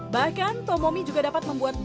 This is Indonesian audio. bahkan tomomi juga dapat membuat